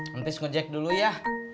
mepis ngejek dulu ya